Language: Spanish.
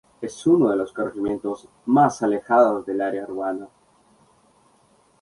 Es uno de los corregimientos más alejados del área urbana.